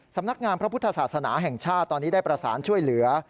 สำนักงามพระพุทธศาสนาแห่งชาติตอนนี้ได้ประสานช่วยเหลือ